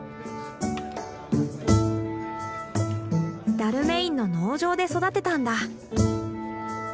ダルメインの農場で育てたんだ。